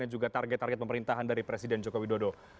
dan juga target target pemerintahan dari presiden jokowi dodo